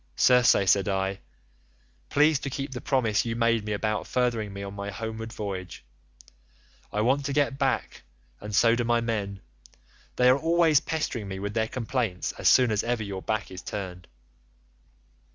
'Circe,' said I, 'please to keep the promise you made me about furthering me on my homeward voyage. I want to get back and so do my men, they are always pestering me with their complaints as soon as ever your back is turned.